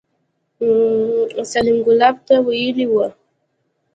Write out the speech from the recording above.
سليم ګلاب ته ويلي وو.